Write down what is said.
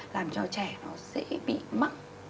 làm cho trẻ nó sẽ bị mắc